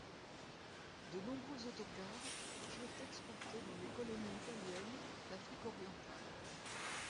De nombreux autocars furent exportés dans les colonies italiennes d'Afrique orientale.